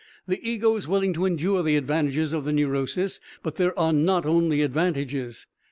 The ego is willing to endure the advantages of the neurosis, but there are not only advantages.